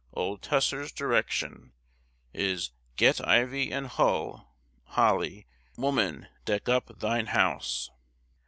Old Tusser's direction is "Get ivye and hull (holly) woman deck up thine house."